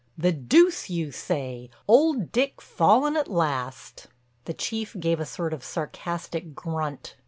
"The deuce you say!—Old Dick fallen at last." The Chief gave a sort of sarcastic grunt.